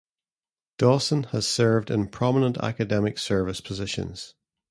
Dawson has served in prominent academic service positions.